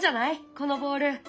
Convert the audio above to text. このボール。